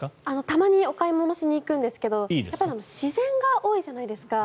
たまにお買い物しに行くんですけど自然が多いじゃないですか。